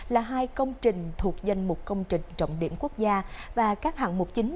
là hai công trình thuộc danh mục công trình trọng điểm quốc gia và các hạng mục chính